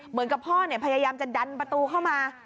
เหมือนกับพ่อพยายามจะดันประตูเข้ามา